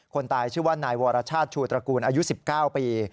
คนตายชื่อว่านายวรชาติชูตระกูลอายุ๑๙ปี